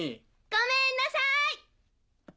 ごめんなさい！